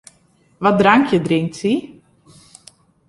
Wat drankje drinkt sy?